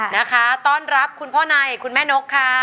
นะคะต้อนรับคุณพ่อในคุณแม่นกค่ะ